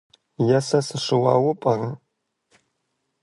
Е сэ сыщыуэу пӏэрэ?